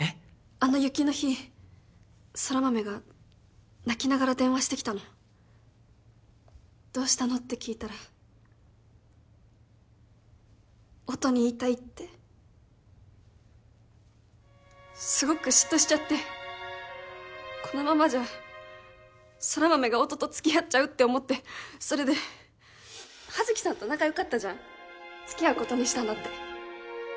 あの雪の日空豆が泣きながら電話してきたの「どうしたの？」って聞いたら「音に言いたい」ってすごく嫉妬しちゃってこのままじゃ空豆が音とつきあっちゃうって思ってそれで葉月さんと仲よかったじゃんつきあうことにしたんだって